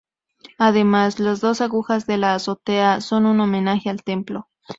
Además, las dos agujas de la azotea son un homenaje al templo.